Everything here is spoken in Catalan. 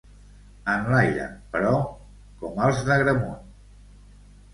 Enlaire, però com els d'Agramunt.